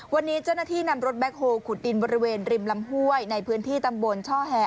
วันนี้เจ้าหน้าที่นำรถแบ็คโฮลขุดดินบริเวณริมลำห้วยในพื้นที่ตำบลช่อแห่